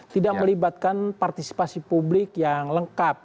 tidak melibatkan partisipasi publik yang lengkap